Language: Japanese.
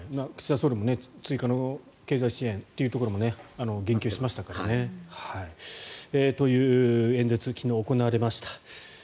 岸田総理も追加の経済支援というところも言及しましたからね。という演説が昨日、行われました。